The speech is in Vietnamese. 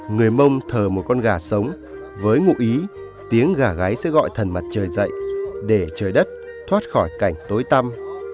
người mông thờ một con gà sống với ngụ ý tiếng gà gái sẽ gọi thần mặt trời dậy để trời đất thoát khỏi cảnh tối tăm